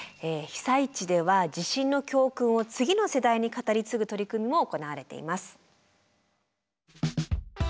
被災地では地震の教訓を次の世代に語り継ぐ取り組みも行われています。